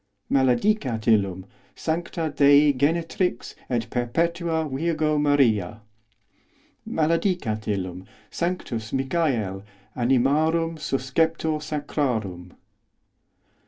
os Maledicat illum sancta Dei genetrix et os perpetua Virgo Maria. Maledicat illum sanctus Michael, animarum susceptor sa os crarum.